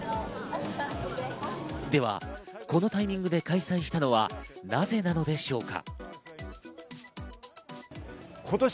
では、このタイミングで開催したのはなぜなのでしょうか？